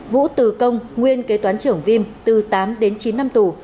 vũ từ công nguyên kế toán trưởng vim từ tám đến chín năm tù